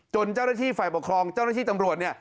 จนเจ้าระชีฝ่ายปกครองเจ้าระชีตำรวจเนี่ย